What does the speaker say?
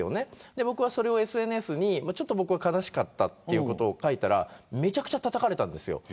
僕はそれをＳＮＳに悲しかったということを書いたらめちゃくちゃたたかれたんです。